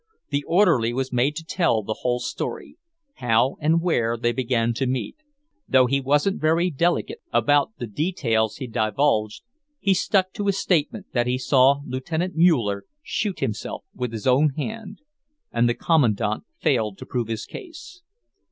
The orderly was made to tell the whole story; how and where they began to meet. Though he wasn't very delicate about the details he divulged, he stuck to his statement that he saw Lieutenant Muller shoot himself with his own hand, and the Kommandant failed to prove his case.